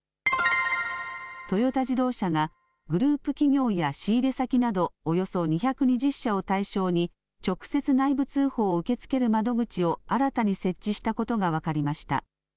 トヨタ自動車がグループ企業や仕入れ先などおよそ２２０社を対象に、直接、内部通報を受け付ける窓口を新たに設置したことが分かりました。